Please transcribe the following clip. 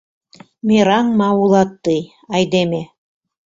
Мераҥ ма улат тый, айдеме —